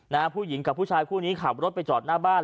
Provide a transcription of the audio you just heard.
ผู้หญิงกับผู้ชายคู่นี้ขับรถไปจอดหน้าบ้าน